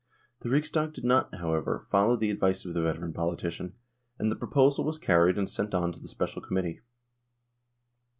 The Riksdag did not, however, follow the advice of the veteran politician, and the proposal was carried and sent on to the Special Committee.